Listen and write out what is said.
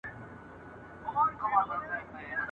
بیرغچي چي رالوېدلی وو، افغان وو.